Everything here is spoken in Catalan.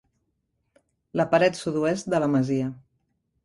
La paret sud-oest de la masia.